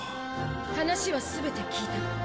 話は全て聞いた。